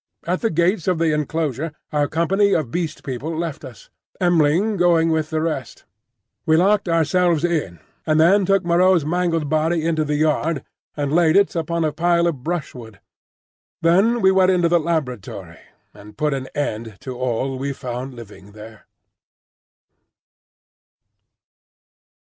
At the gates of the enclosure our company of Beast People left us, M'ling going with the rest. We locked ourselves in, and then took Moreau's mangled body into the yard and laid it upon a pile of brushwood. Then we went into the laboratory and put an end to all we found living there.